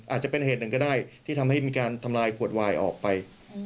อาจจะเป็นเหตุหนึ่งก็ได้ที่ทำให้มีการทำลายขวดวายออกไป